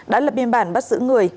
đã lập biên bản bắt giữ người